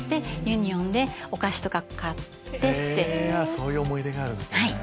そういう思い出があるんですね。